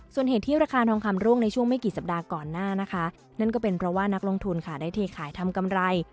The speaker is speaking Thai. ส่วนเหตุที่ราคาทองคำร่วงในช่วงไม่กี่สัปดาห์ก่อนหน้านะคะนั่นก็เป็นเพราะว่านักลงทุนค่ะได้เทขายทำกำไร